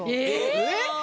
えっ？